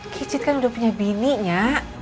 kicit kan udah punya bininya